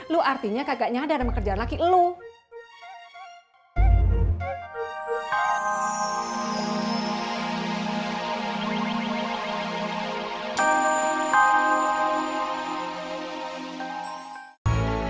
lo artinya kagak nyadar sama kerjaan laki lo